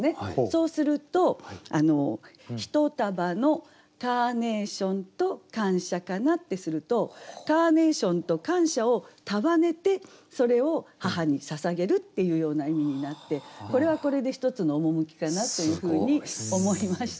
そうすると「一束のカーネーションと感謝かな」ってするとカーネーションと感謝を束ねてそれを母にささげるっていうような意味になってこれはこれで一つの趣かなというふうに思いました。